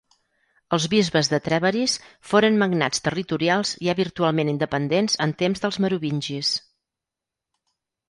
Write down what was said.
Els bisbes de Trèveris foren magnats territorials ja virtualment independents en temps dels merovingis.